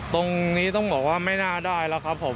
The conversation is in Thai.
ตรงนี้ต้องบอกว่าไม่น่าได้แล้วครับผม